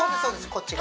こっち側